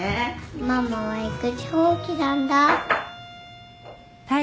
ママは育児放棄なんだ。